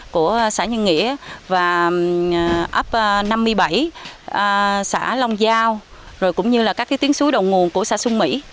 của xã nhân nghĩa và ấp năm mươi bảy xã long giao rồi cũng như là các tuyến suối đầu nguồn của xã xuân mỹ